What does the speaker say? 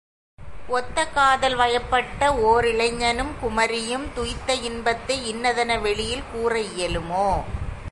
ஒத்த காதல் வயப்பட்ட ஓரிளைஞனும் குமரியும், துய்த்த இன்பத்தை இன்னதென வெளியில் கூற இயலுமோ?